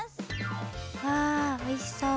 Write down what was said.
わあおいしそう。